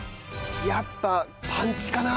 やっぱパンチかな？